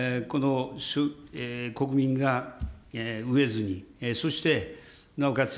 国民が飢えずに、そしてなおかつ